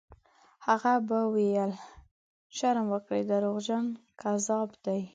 هغه به ویل: «شرم وکړئ! دروغجن، کذاب دی».